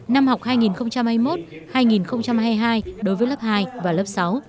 năm học hai nghìn hai mươi một hai nghìn hai mươi hai đối với lớp hai và lớp sáu